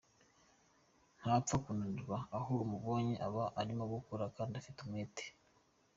Nta pfa kunanirwa , aho umubonye aba arimo gukora kandi afite umwete.